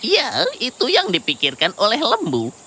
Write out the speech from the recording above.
ya itu yang dipikirkan oleh lembu